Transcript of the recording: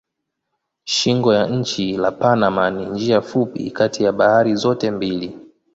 Shingo ya nchi la Panama ni njia fupi kati ya bahari zote mbili.